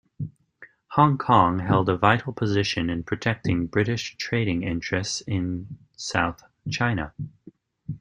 Hong Kong held a vital position in protecting British trading interests in South China.